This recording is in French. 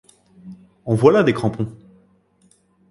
En voilà des crampons!